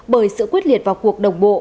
bởi sự quyết liệt vào cuộc đồng bộ